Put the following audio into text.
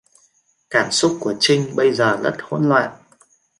Cảm xúc của Trính bây giờ rất hỗn loạn